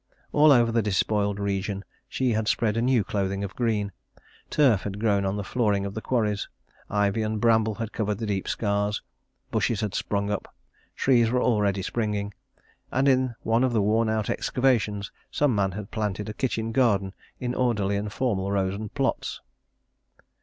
All over the despoiled region she had spread a new clothing of green. Turf had grown on the flooring of the quarries; ivy and bramble had covered the deep scars; bushes had sprung up; trees were already springing. And in one of the worn out excavations some man had planted a kitchen garden in orderly and formal rows and plots.